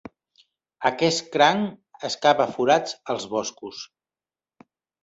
Aquest cranc excava forats als boscos.